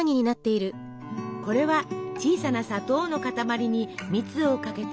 これは小さな砂糖の塊に蜜をかけて大きくしたもの。